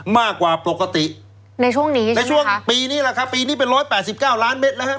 มากกว่าปกติในช่วงนี้ในช่วงปีนี้แหละครับปีนี้เป็นร้อยแปดสิบเก้าล้านเม็ดแล้วครับ